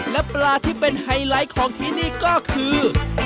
และปลาที่เป็นไฮไลท์ของที่นี่ก็คือ